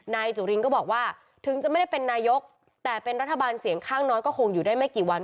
นายจุรินก็บอกว่าถึงจะไม่ได้เป็นนายกแต่เป็นรัฐบาลเสียงข้างน้อยก็คงอยู่ได้ไม่กี่วัน